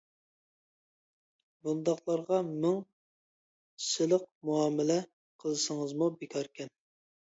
بۇنداقلارغا مىڭ سىلىق مۇئامىلە قىلسىڭىزمۇ بىكاركەن.